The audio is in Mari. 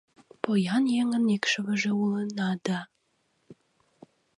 Поян еҥын икшывыже улына да